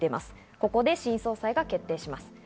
ここで新総裁が決定します。